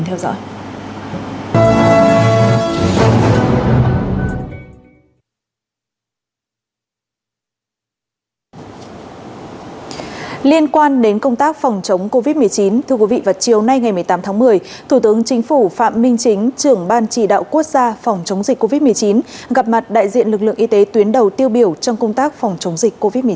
thủ tướng chính phủ phạm minh chính trưởng ban chỉ đạo quốc gia phòng chống dịch covid một mươi chín gặp mặt đại diện lực lượng y tế tuyến đầu tiêu biểu trong công tác phòng chống dịch covid một mươi chín